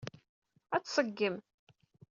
Ad t-tṣeggem.